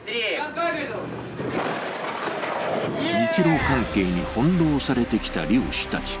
日ロ関係に翻弄されてきた漁師たち。